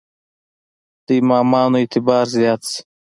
د امامانو اعتبار زیات شي.